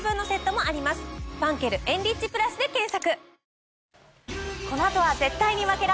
「ファンケルエンリッチプラス」で検索。